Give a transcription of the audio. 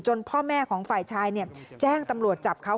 จนพ่อแม่ของไฟฉายเนี่ยแจ้งตำรวจจับเขา